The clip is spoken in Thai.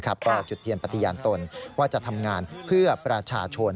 ก็จุดเทียนปฏิญาณตนว่าจะทำงานเพื่อประชาชน